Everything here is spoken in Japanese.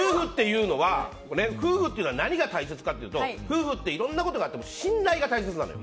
夫婦っていうのは何が大切かというと夫婦っていろんなことがあっても信頼が一番大切なの。